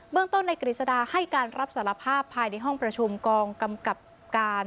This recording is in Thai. เมืองต้นในกฤษดาให้การรับสารภาพภายในห้องประชุมกองกำกับการ